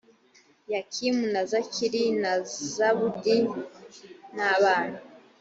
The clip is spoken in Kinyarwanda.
yakimu na zikiri na zabudi na bana